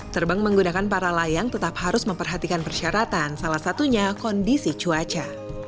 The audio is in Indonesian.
terbang menggunakan para layang tetap harus memperhatikan persyaratan salah satunya kondisi cuaca